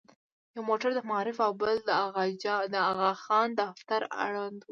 یو موټر د معارف او بل د اغاخان دفتر اړوند و.